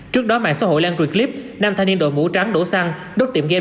trước đó mạng xã hội lan truyệt clip năm thanh niên đội mũ trắng đổ xăng đốt tiệm game